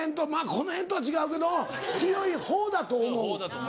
この辺とは違うけど強い方だと思う。